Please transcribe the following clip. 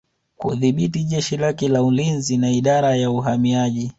Kudhibiti jeshi lake la ulinzi na Idara ya Uhamiaji